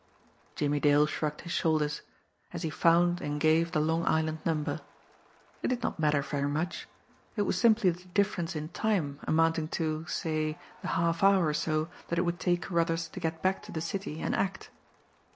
Jimmie Dale shrugged his shoulders, as he found and gave the Long Island number. It did not matter very much; it was simply the difference in time, amounting to, say, the half hour or so that it would take Carruthers to get back to the city and act.